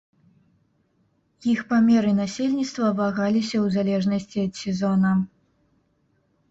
Іх памер і насельніцтва вагаліся ў залежнасці ад сезона.